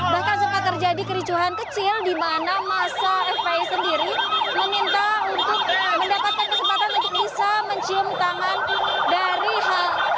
bahkan sempat terjadi kericuhan kecil di mana masa fpi sendiri meminta untuk mendapatkan kesempatan untuk bisa mencium tangan dari hal tersebut